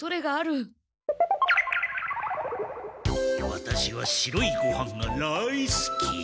ワタシは白いごはんがライスき！